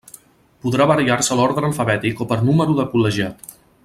Podrà variar-se l'orde alfabètic o per número de col·legiat.